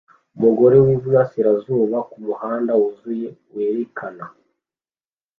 Umugore wiburasirazuba kumuhanda wuzuye werekana